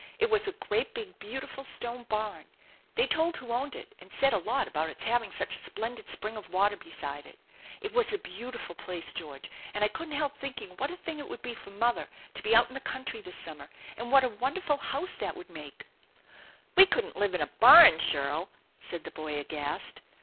It was a great big, beautiful stone barn. They told who owned it, and said a lot about its having such a splendid spring of water beside it. It was a beautiful place, George; and I couldn't help thinking what a thing it would be for mother to be out in the country this summer, and what a wonderful house that would make "" We couldn't live in a barn, Shirl !" said the boy, aghast.